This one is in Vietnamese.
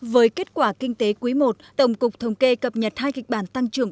với kết quả kinh tế quý i tổng cục thống kê cập nhật hai kịch bản tăng trưởng